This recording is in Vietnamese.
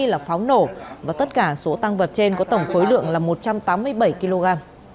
là pháo nổ và tất cả số tăng vật trên có tổng khối lượng là một trăm tám mươi bảy kg